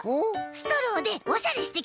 ストローでおしゃれしてきたんだ！